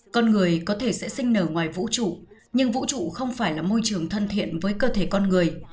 con người có thể sẽ sinh nở ngoài vũ trụ nhưng vũ trụ không phải là môi trường thân thiện với cơ thể con người